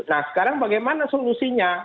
nah sekarang bagaimana solusinya